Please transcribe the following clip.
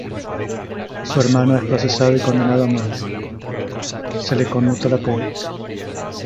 Su hermano es procesado y condenado a muerte, se le conmutó la pena.